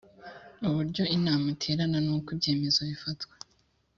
uburyo inama iterana n uko ibyemezo bifatwa